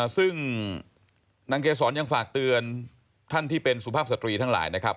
ซึ่งนางเกษรยังฝากเตือนท่านที่เป็นสุภาพสตรีทั้งหลายนะครับ